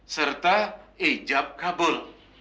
serta ijab kabul